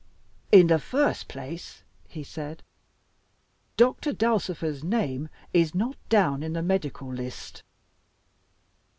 "In the first place," he said, "Doctor Dulcifer's name is not down in the Medical List."